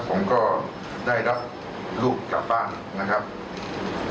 ผมก็ได้รับลูกกลับบ้านนะครับ